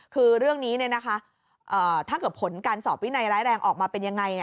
คือเรื่องนี้ถ้าเกิดผลการสอบวินัยร้ายแรงออกมาเป็นยังไง